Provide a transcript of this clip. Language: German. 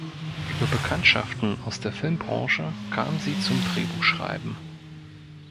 Über Bekanntschaften aus der Filmbranche kam sie zum Drehbuchschreiben.